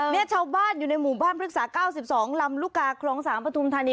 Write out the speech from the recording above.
นี่ชาวบ้านอยู่ในหมู่บ้านพฤษา๙๒ลำรุกาคคสปท์ทันี